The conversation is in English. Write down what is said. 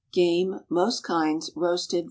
Game (most kinds), roasted, 4 h.